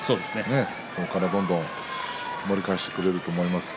ここからどんどん盛り返してくれると思います。